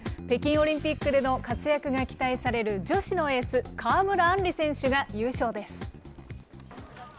北京オリンピックでの活躍が期待される女子のエース、川村あんり選手が優勝です。